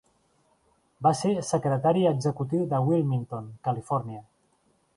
Va ser secretari executiu de Wilmington, Califòrnia.